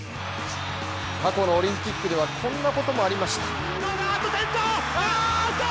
過去のオリンピックではこんなこともありました。